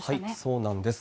そうなんです。